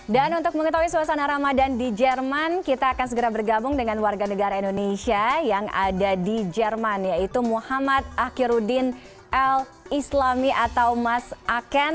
untuk mengetahui suasana ramadan di jerman kita akan segera bergabung dengan warga negara indonesia yang ada di jerman yaitu muhammad akhirudin el islami atau mas aken